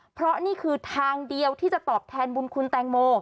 เพราะนี่คือทางเดียวที่จะตอบแทนบุญคุณแตงโม